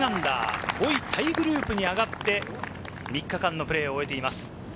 ３位タイグループに上がって３日間のプレーを終えています。